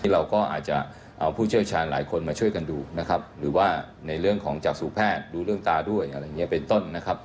เราก็อาจจะเอาผู้เชี่ยวชาญหลายคนมาช่วยกันดูนะครับหรือว่าในเรื่องของจากสู่แพทย์ดูเรื่องตาด้วยอะไรอย่างนี้เป็นต้นนะครับ